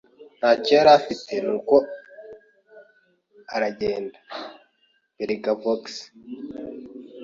Ntacyo yari afite, nuko aragenda. (belgavox)